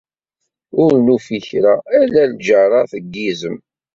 Ur nufi kra, ala lǧerrat n yizem.